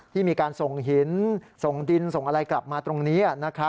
ที่มีการส่งหินส่งดินส่งอะไรกลับมาตรงนี้